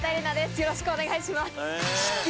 よろしくお願いします。